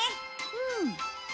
うん。